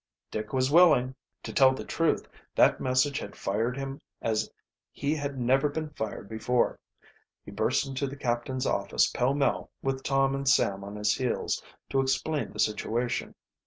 Dick was willing. To tell the truth, that message had fired him as he had never been fired before. He burst into the captain's office pell mell, with Tom and Sam on his heels, to explain the situation.